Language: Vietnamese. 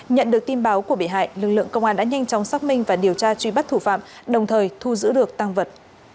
nhận được tin báo của bị hại lực lượng công an đã nhanh chóng xác minh và điều tra truy bắt thủ phạm đồng thời thu giữ được tăng vật